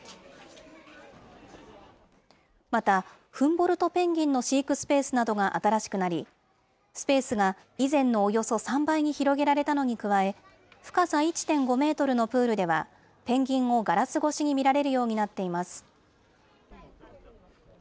また、フンボルトペンギンの飼育スペースなどが新しくなり、スペースが以前のおよそ３倍に広げられたのに加え、深さ１．５メートルのプールでは、ペンギンをガラス越しに見られるようになっています。